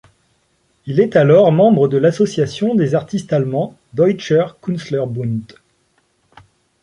Il est alors membre de l'association des artistes allemands Deutscher Künstlerbund.